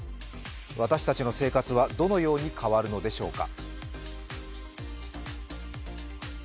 私たちの生活はどのように変わるのでしょうか？